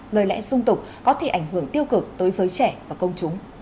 lời lẽ dung tục có thể ảnh hưởng tiêu cực tới giới trẻ và công chúng